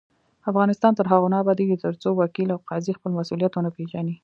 افغانستان تر هغو نه ابادیږي، ترڅو وکیل او قاضي خپل مسؤلیت ونه پیژني.